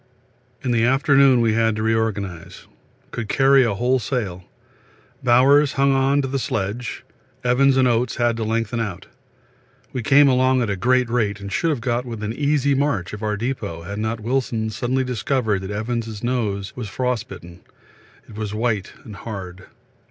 In the afternoon we had to reorganise. Could carry a whole sail. Bowers hung on to the sledge, Evans and Oates had to lengthen out. We came along at a great rate and should have got within an easy march of our depot had not Wilson suddenly discovered that Evans' nose was frostbitten it was white and hard.